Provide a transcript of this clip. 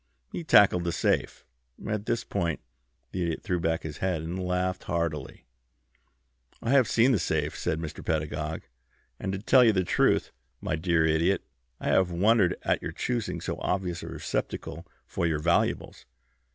He tackled the safe." At this point the Idiot threw back his head and laughed heartily. "I have seen the safe," said Mr. Pedagog, "and to tell you the truth, my dear Idiot, I have wondered at your choosing so obvious a receptacle for your valuables.